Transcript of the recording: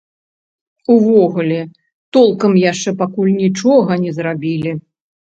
Увогуле, толкам яшчэ пакуль нічога не зрабілі.